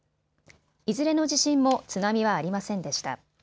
いずれの地震も津波はありませんでした。